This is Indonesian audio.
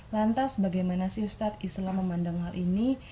lantas bagaimana sih ustadz islam memandang hal ini